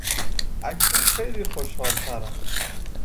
اکنون خیلی خوشحالترم.